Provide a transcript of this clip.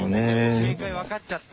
正解わかっちゃった。